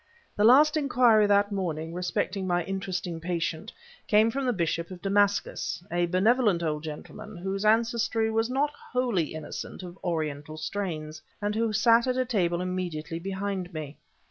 The last inquiry that morning, respecting my interesting patient, came from the bishop of Damascus, a benevolent old gentleman whose ancestry was not wholly innocent of Oriental strains, and who sat at a table immediately behind me.